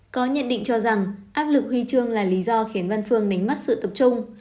có nhận định cho rằng áp lực huy chương là lý do khiến văn phương nính mất sự tập trung